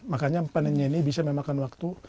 makanya panennya ini bisa memang kan wakil